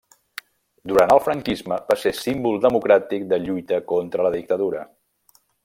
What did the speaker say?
Durant el franquisme va ser símbol democràtic de lluita contra la dictadura.